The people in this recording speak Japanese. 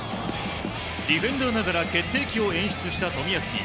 ディフェンダーながら決定機を演出した冨安に